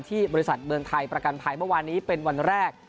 ที่บริษัทเมืองไทยประกันภัยเมื่อวานนี้เป็นวันแรก